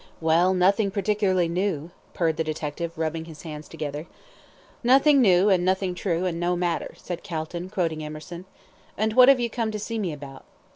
"Well, nothing particularly new," purred the detective, rubbing his hands together. "Nothing new, and nothing true, and no matter," said Calton, quoting Emerson. "And what have you come to see me about?"